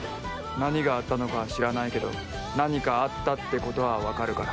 何があったのかは知らないけど何かあったってことは分かるから。